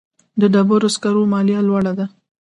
د ډبرو سکرو مالیه لوړه ده